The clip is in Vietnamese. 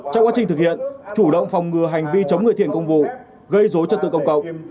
trong quá trình thực hiện chủ động phòng ngừa hành vi chống người thiền công vụ gây dối trật tự công cộng